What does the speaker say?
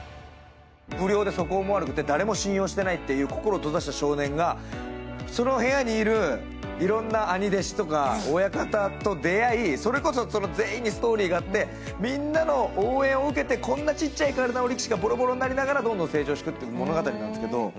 不良で素行も悪くて誰にも心を許していない心を閉ざした少年が、その部屋にいるいろんな兄弟子とか親方と出会い、それこそ全員にストーリーがあって、みんなの応援を受けてこんなちっちゃい体の力士がボロボロになりながら成長していく話なんですけど。